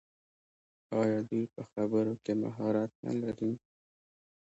آیا دوی په خبرو کې مهارت نلري؟